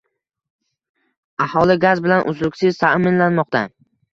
Aholi gaz bilan uzluksiz ta’minlanmoqda